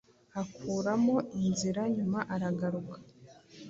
akuramo inzira nyuma aragaruka